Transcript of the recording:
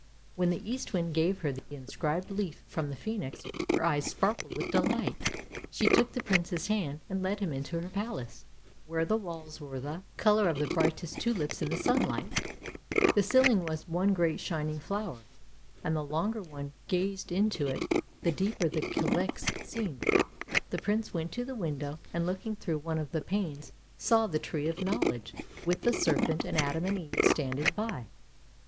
When the Eastwind gave her the inscribed leaf from the Phcenix her eyes sparkled with delight. She took the Prince's hand and led him into her palace, where the walls were the i66 ANDERSEN'S FAIRY TALES colour of the brightest tulips in the sunlight. The ceiling was one great shining flower, and the longer one gazed into it the deeper the calyx seemed to be. The Prince went to the window, and looking through one of the panes saw the Tree of Knowledge, with the serpent, and Adam and Eve standing by.